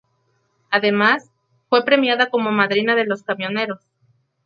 Además, fue premiada como "Madrina de los camioneros".